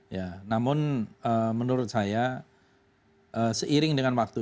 ya namun menurut saya seiring dengan waktu